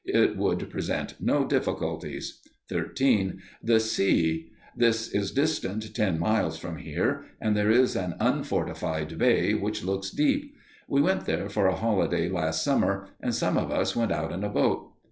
It would present no difficulties._ 13. _The sea. This is distant ten miles from here, and there is an unfortified bay, which looks deep. We went there for a holiday last summer, and some of us went out in a boat.